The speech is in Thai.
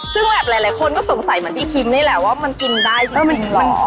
ซึ่งแบบหลายคนก็สงสัยเหมือนพี่คิมนี่แหละว่ามันกินได้จริงเหรอ